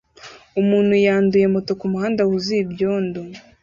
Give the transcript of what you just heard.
Umuntu yanduye moto kumuhanda wuzuye ibyondo